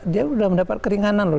dia sudah mendapat keringanan loh